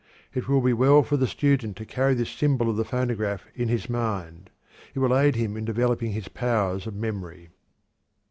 It will be well for the student to carry this symbol of the phonograph in his mind; it will aid him in developing his powers of memory.